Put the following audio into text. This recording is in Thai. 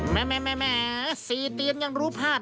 แม่สี่ตีนยังรู้พลาด